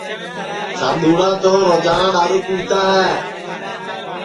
سادؔوݪا تو روجینا دؔارو پِیوتا ہے